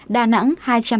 đà nẵng hai trăm ba mươi năm